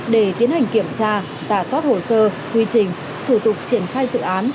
để tiến hành kiểm tra giả soát hồ sơ quy trình thủ tục triển khai dự án